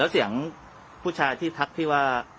เสียงผู้ชายที่ทักพี่ว่า